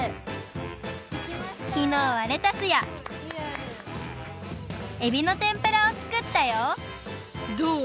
きのうはレタスやエビのてんぷらをつくったよどう？